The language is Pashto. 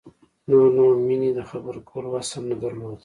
نور نو مينې د خبرو کولو وس هم نه درلود.